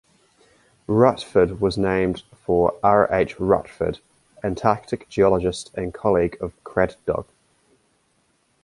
Rutford was named for R. H. Rutford, Antarctic geologist and colleague of Craddock.